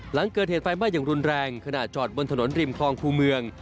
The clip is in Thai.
หลังเกิดเหตุไฟไหม้อย่างรุนแรงขณะจอดบนถนนริมคลองคู่เมือง